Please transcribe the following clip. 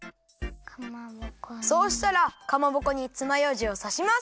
そうしたらかまぼこにつまようじをさします！